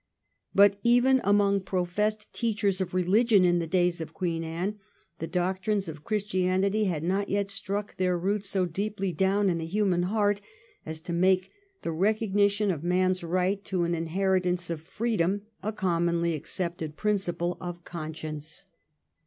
But even among professed teachers of reUgion in the days of Queen Anne the doctrines of Christianity had not yet struck their roots so deeply down in the human heart as to make the recognition of man's right to an inheritance of freedom a com monly accepted principle of conscience.